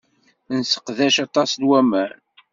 Nesseqdac aṭas n waman.